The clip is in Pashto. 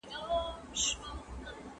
پوهانو به بحث کاوه.